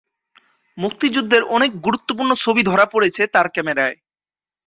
মুক্তিযুদ্ধের অনেক গুরুত্বপূর্ণ ছবি ধরা পড়েছে তার ক্যামেরায়।